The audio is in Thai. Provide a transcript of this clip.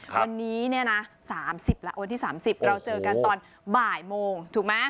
วันนี้เนี่ยนะ๓๐แล้ววันที่๓๐เราเจอกันตอนบ่ายโมงถูกไหม